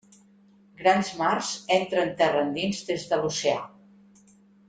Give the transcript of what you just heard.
Grans mars entren terra endins des de l'oceà.